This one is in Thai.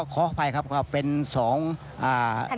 ขออภัยครับครับเป็น๒ขนาด